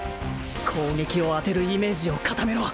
攻撃を当てるイメージを固めろ